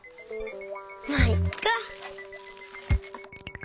まあいっか。